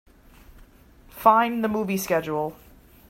Fine the movie schedule.